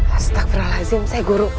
astagfirullahaladzim seh guru